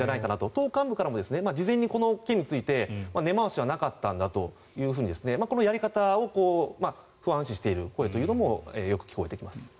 党幹部からも事前にこの件について根回しはなかったんだとこのやり方を不安視している声というのもよく聞こえてきます。